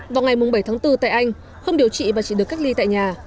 vào ngày bảy tháng bốn tại anh không điều trị và chỉ được cách ly tại nhà